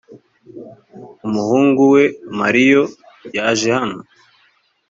umuhungu we mario yaje hano